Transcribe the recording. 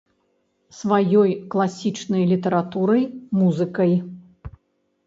Сваёй класічнай літаратурай, музыкай.